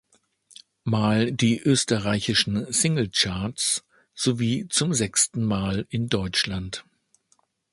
Mal die österreichischen Singlecharts sowie zum sechsten Mal in Deutschland.